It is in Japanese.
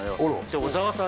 小澤さん